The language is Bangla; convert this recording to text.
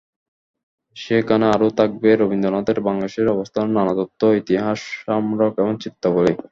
সেখানে আরও থাকবে রবীন্দ্রনাথের বাংলাদেশে অবস্থানের নানা তথ্য, ইতিহাস, স্মারক এবং চিত্রাবলি।